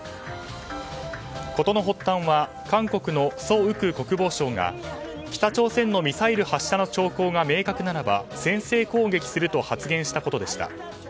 事の発端は韓国のソ・ウク国防相が北朝鮮のミサイル発射の兆候が明確ならば先制攻撃すると発言したことでした。